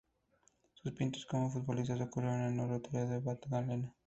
Sus pinitos como futbolista ocurrieron en el Oratorio de Magdalena.